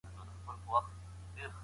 زه کولای شم ټکټونه آنلاین واخلم.